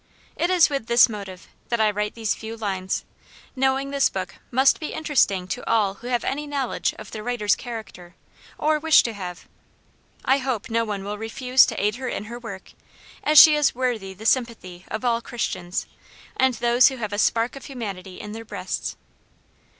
It is with this motive that I write these few lines, knowing this book must be interesting to all who have any knowledge of the writer's character, or wish to have. I hope no one will refuse to aid her in her work, as she is worthy the sympathy of all Christians, and those who have a spark of humanity in their breasts.